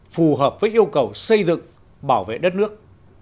phù hợp với yêu cầu xây dựng bảo vệ đất nước